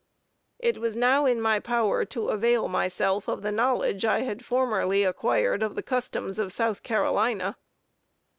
It was now in my power to avail myself of the knowledge I had formerly acquired of the customs of South Carolina.